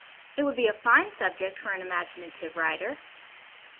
It would be a fine subject for an imaginative writer.